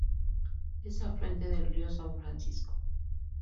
Es afluente del río São Francisco.